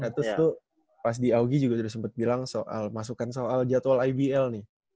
nah terus tuh pas di augie juga udah sempet bilang soal masukan soal jadwal ibl nih